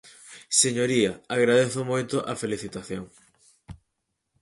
Señoría, agradezo moito a felicitación.